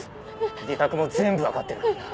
自宅も全部分かってるからな。